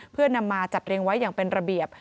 เพื่อนำมาจัดเรียงไว้อย่างเป็นระเบียบ